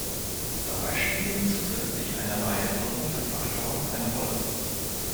Dabei spielen zusätzlich eine Reihe von Umweltfaktoren eine Rolle.